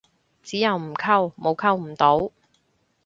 只有唔溝，冇溝唔到